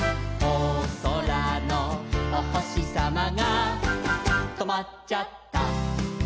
「おそらのおほしさまがとまっちゃった」